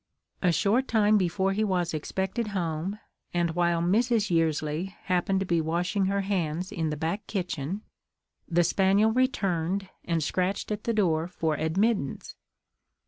A short time before he was expected home, and while Mrs. Yearsley happened to be washing her hands in the back kitchen, the spaniel returned and scratched at the door for admittance.